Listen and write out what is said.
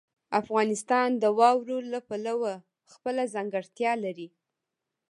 افغانستان د واورو له پلوه خپله ځانګړتیا لري.